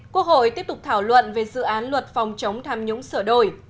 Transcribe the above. quốc hội tiếp tục thảo luận về dự án luật phòng chống tham nhũng sửa đổi